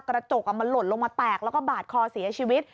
กระจกมันหล่นลงมาแตกแล้วก็บาดคอเสียชีวิต